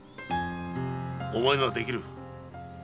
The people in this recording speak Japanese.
お前ならできる。